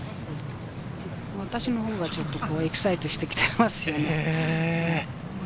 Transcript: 私のほうがエキサイトしてきています。